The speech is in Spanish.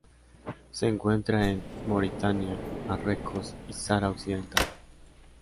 Se encuentra en Mauritania Marruecos y Sahara Occidental.